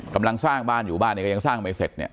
กำลังสร้างบ้านอยู่บ้านเนี่ยก็ยังสร้างไม่เสร็จเนี่ย